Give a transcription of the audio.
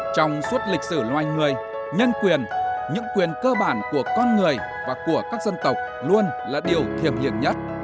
trong suốt lịch sử loài người nhân quyền những quyền cơ bản của con người và của các dân tộc luôn là điều thiềm hiểm nhất